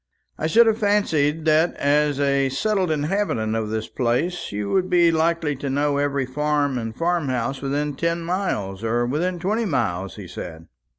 "I should have fancied that, as a settled inhabitant of the place, you would be likely to know every farm and farm house within ten miles or within twenty miles," he said.